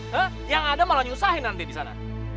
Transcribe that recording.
he yang ada malah nyusahin nanti di sana